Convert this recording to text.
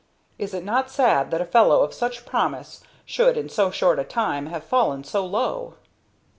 Is it not sad that a fellow of such promise should in so short a time have fallen so low?